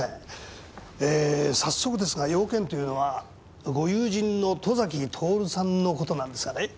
早速ですが用件というのはご友人の外崎徹さんのことなんですがね。